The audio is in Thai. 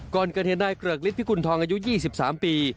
ก่อนเกิดเห็นได้เกลือกฤทธิ์พิคุณทองอายุ๒๓ปี